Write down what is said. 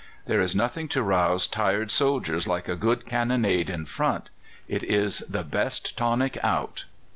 There is nothing to rouse tired soldiers like a good cannonade in front. It is the best tonic out.